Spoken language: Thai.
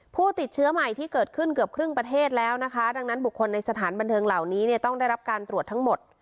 ผู้ติดเชื้อใหม่ที่เกิดขึ้นเกือบครึ่งประเทศแล้วนะคะดังนั้นบุคคลในสถานบันเทิงเหล่านี้เนี่ยต้องได้รับการตรวจทั้งหมด